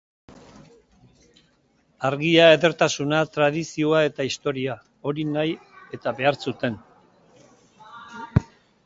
Argia, edertasuna, tradizioa eta historia, hori nahi eta behar zuten.